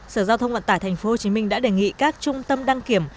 sở giao thông vận tải tp hcm đã đề nghị các trung tâm đăng kiểm